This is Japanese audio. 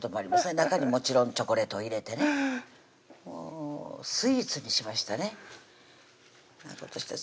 中にもちろんチョコレートを入れてねもうスイーツにしましたねわ